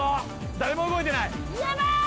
誰も動いてないやばい！